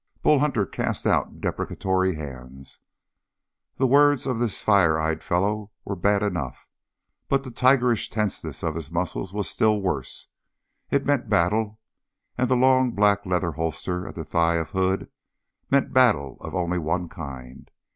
Bull Hunter cast out deprecatory hands. The words of this fire eyed fellow were bad enough, but the tigerish tenseness of his muscles was still worse. It meant battle, and the long, black, leather holster at the thigh of Hood meant battle of only one kind.